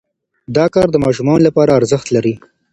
دا کار د ماشومانو لپاره ارزښت لري.